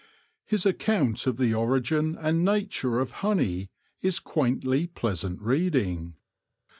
His account of the origin and nature of honey is quaintly pleasant reading.